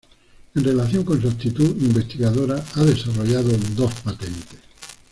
En relación con su actividad investigadora ha desarrollado dos patentes.